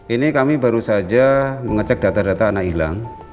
ini kami baru saja mengecek data data anak hilang